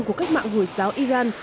của cách mạng hồi giáo iran